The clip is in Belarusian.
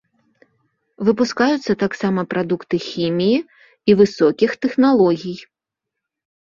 Выпускаюцца таксама прадукты хіміі і высокіх тэхналогій.